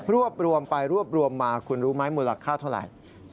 รวบรวมไปรวบรวมมาคุณรู้ไหมมูลค่าเท่าไหร่